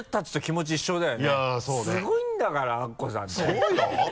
そうよ！